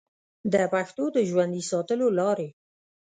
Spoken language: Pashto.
د پښتو د ژوندي ساتلو لارې